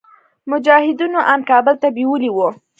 مجاهدينو ان کابل ته بيولي وو.